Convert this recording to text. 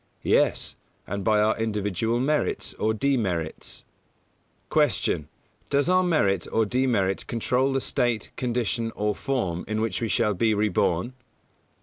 Yes, and by our individual merits or demerits. 135. Q. _Does our merit or demerit control the state, condition or form in which we shall be re born?